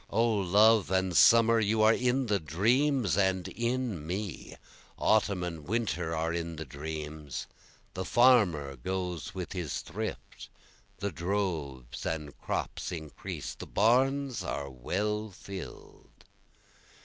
O love and summer, you are in the dreams and in me, Autumn and winter are in the dreams, the farmer goes with his thrift, The droves and crops increase, the barns are well fill'd.